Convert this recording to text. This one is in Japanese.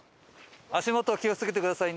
足元気を付けてくださいね。